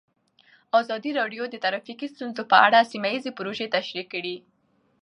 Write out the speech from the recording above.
ازادي راډیو د ټرافیکي ستونزې په اړه سیمه ییزې پروژې تشریح کړې.